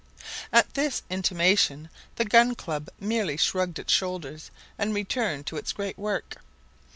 At this intimation the Gun Club merely shrugged its shoulders and returned to its great work.